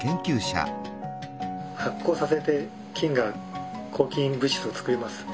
発酵させて菌が抗菌物質を作ります。